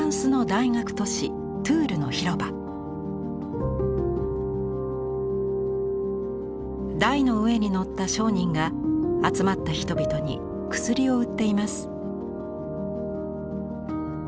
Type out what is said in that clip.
台の上に乗った商人が集まった人々に薬を売っています。